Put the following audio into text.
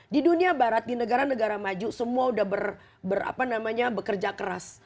di dunia barat di negara negara maju semua udah berapa namanya bekerja keras